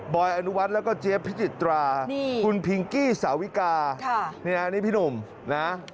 อยอนุวัฒน์แล้วก็เจี๊ยบพิจิตราคุณพิงกี้สาวิกานี่นะนี่พี่หนุ่มนะ